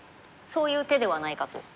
そういう手ではないかと。